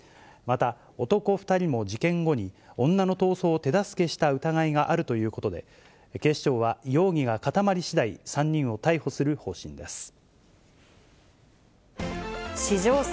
また、男２人も事件後に、女の逃走を手助けした疑いがあるということで、警視庁は容疑が固まりしだい、３人を逮捕する方針です。